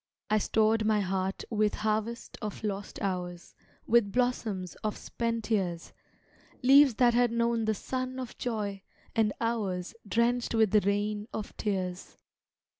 I stored my heart with harvest of lost hours With blossoms of spent years; Leaves that had known the sun of joy, and hours Drenched with the rain of tears.